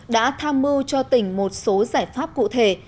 đã tham mưu cho tỉnh một số giải pháp cụ thể